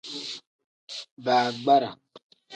Baagbara.